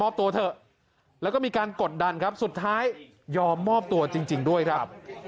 โดดดันครับสุดท้ายยอมมอบตัวจริงด้วยครับ